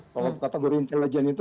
kalau kategori intelijen itu